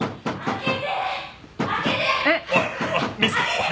おい！